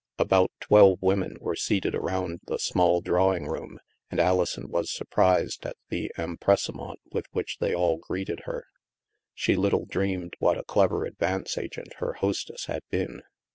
About twelve women were seated around the small drawing room and Alison was surprised at the em pressement with which they all greeted her. She little dreamed what a clever advance agent her hostess had been.